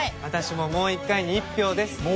私ももう一回に１票です。